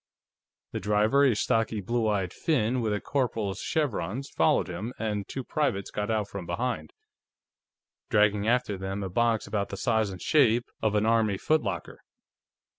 The driver, a stocky, blue eyed Finn with a corporal's chevrons, followed him, and two privates got out from behind, dragging after them a box about the size and shape of an Army footlocker.